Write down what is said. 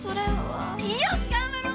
よし頑張ろ！